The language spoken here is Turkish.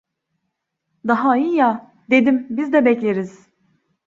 Daha iyi ya, dedim, biz de bekleriz.